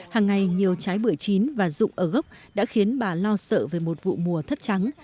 hàng ngày nhiều trái bưởi chín và rụng ở gốc đã khiến bà lo sợ về một vụ mùa thất trắng